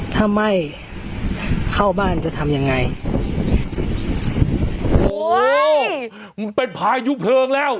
ถ้าไม่เข้าบ้านจะทำยังไงโอ้ยมึงเป็นพายุเพลิงแล้ว